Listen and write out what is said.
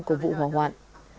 của vụ hỏa hoạn